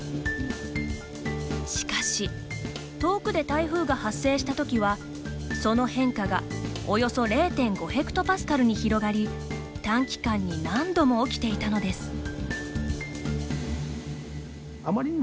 しかし遠くで台風が発生した時はその変化がおよそ０．５ヘクトパスカルに広がり短期間に何度も起きていたのです。